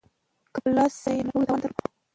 که په لاس سره ئې د منعه کولو توان نه درلودي